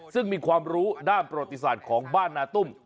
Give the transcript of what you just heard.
ซึ่งมีความรู้ด้านประวัติศาสตร์ของบ้านนาตุ้ม